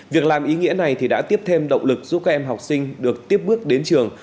việc làm ý nghĩa này thì đã tiếp thêm động lực giúp các em học sinh được tiếp bước đến trường